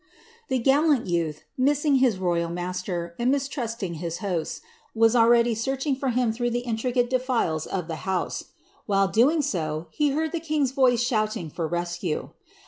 This gallant youth, missing his royal master, and mistrusting his hosts, was already searching for him through the intricate defiles of the house. While so doing, he heard the king's voice shouting for rescue.